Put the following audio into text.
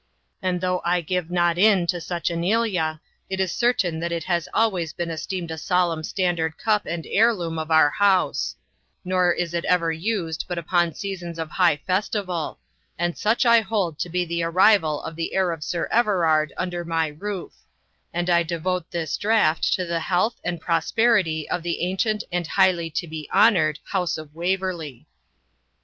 And though I give not in to such anilia, it is certain it has always been esteemed a solemn standard cup and heirloom of our house; nor is it ever used but upon seasons of high festival, and such I hold to be the arrival of the heir of Sir Everard under my roof; and I devote this draught to the health and prosperity of the ancient and highly to be honoured house of Waverley.'